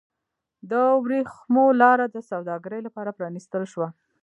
د ورېښمو لاره د سوداګرۍ لپاره پرانیستل شوه.